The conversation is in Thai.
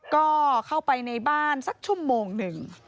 ก็เข้าไปในบ้านสักชั่วโมงหนึ่ง